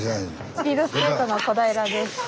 スピードスケートの小平です。